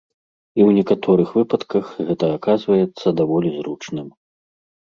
І ў некаторых выпадках гэта аказваецца даволі зручным.